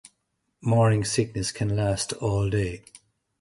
Morning sickness can last all day.